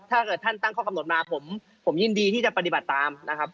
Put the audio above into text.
ถ้าเกิดท่านตั้งข้อกำหนดมาผมยินดีที่จะปฏิบัติตามนะครับ